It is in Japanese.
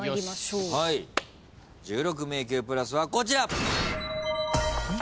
１６迷宮プラスはこちら！